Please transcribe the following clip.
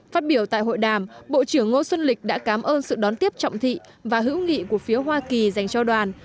phát biểu tại hội đàm bộ trưởng ngô xuân lịch đã cảm ơn sự đón tiếp trọng thị và hữu nghị của phía hoa kỳ dành cho đoàn